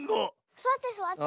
すわってすわって。